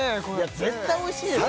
絶対おいしいでしょ